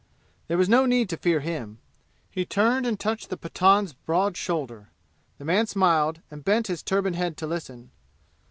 There was no need to fear him. He turned and touched the Pathan's broad shoulder. The man smiled and bent his turbaned head to listen.